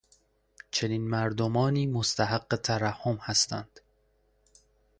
چنین مردمانی مستحق ترحم هستند.